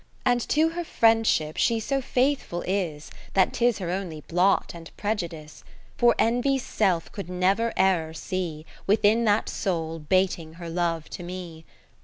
And to her friendship she so faith ful is, 71 That 'tis her only blot and pre judice : For Envy's self could never error see Within that soul, 'bating her love to me.